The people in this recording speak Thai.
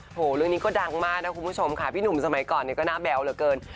เรื่องนี้ก็ดังมากนะคุณผู้ชมค่ะพี่หนุ่มสมัยก่อนเนี่ยก็น่าแบ๊วเหลือเกิน